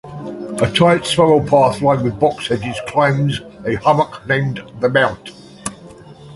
A tight spiral path lined with box hedges climbs a hummock named "The Mount".